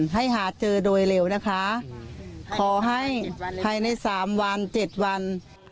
ให้หาเจอโดยเร็วนะคะขอให้ใน๓วัน๗วัน